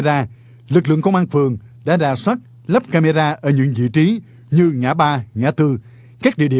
và được công nhận giá trị pháp lý